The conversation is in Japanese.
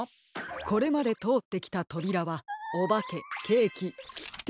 これまでとおってきたとびらはおばけケーキきって。